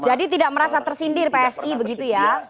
jadi tidak merasa tersindir psi begitu ya